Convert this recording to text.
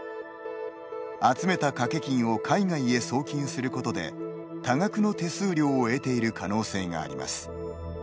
集めた賭け金を海外へ送金することで多額の手数料を得ている可能性があります。